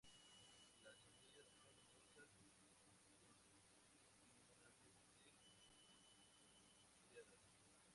Las semillas son numerosas, longitudinalmente estriadas.